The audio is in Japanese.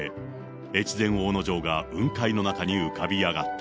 越前大野城が雲海の中に浮かび上がった。